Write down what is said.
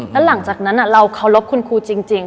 แล้วหลังจากนั้นเราเคารพคุณครูจริง